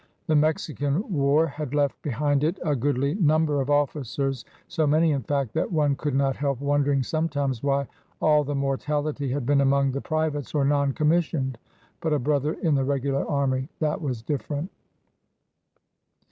The Mexican War had left behind it a goodly number of officers — so many, in fact, that one could not help wondering sometimes why all the mortality had been among the privates or non commissioned ; but a brother in the regular army— that was different.